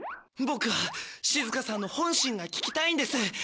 ボクはしずかさんの本心が聞きたいんです。